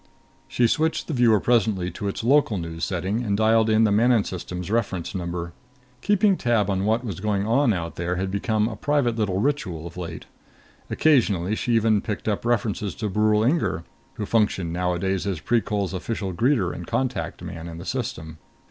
She switched the viewer presently to its local news setting and dialed in the Manon System's reference number. Keeping tab on what was going on out there had become a private little ritual of late. Occasionally she even picked up references to Brule Inger, who functioned nowadays as Precol's official greeter and contact man in the system.